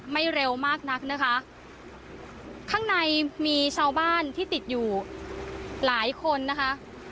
เร็วมากนักนะคะข้างในมีชาวบ้านที่ติดอยู่หลายคนนะคะ